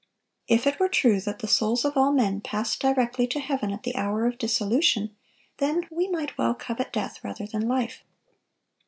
If it were true that the souls of all men passed directly to heaven at the hour of dissolution, then we might well covet death rather than life.